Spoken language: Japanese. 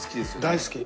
大好き！